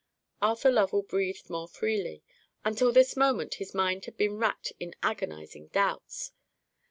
Arthur Lovell breathed more freely; until this moment his mind had been racked in agonizing doubts.